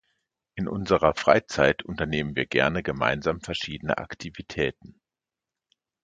In unserer Freizeit unternehmen wir gerne gemeinsam verschiedene Aktivitäten.